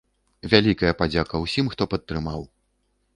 Вялізная падзяка ўсім, хто падтрымаў!